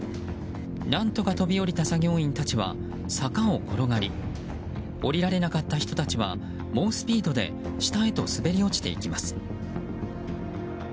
何とか飛び降りた作業員たちは坂を転がり降りられなかった人たちは猛スピードで下へと滑り落ちていきます。